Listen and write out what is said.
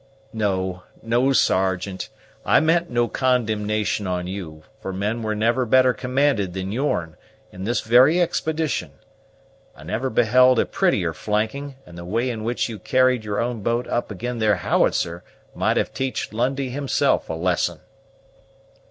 "No, no, Sergeant, I meant no condemnation on you; for men were never better commanded than yourn, in this very expedition. I never beheld a prettier flanking; and the way in which you carried your own boat up ag'in their howitzer might have teached Lundie himself a lesson."